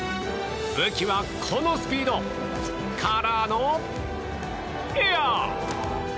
武器はこのスピードからのエア！